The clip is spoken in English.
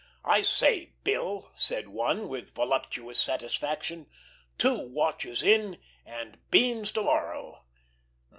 "I say, Bill," said one, with voluptuous satisfaction, "too watches in, and beans to morrow."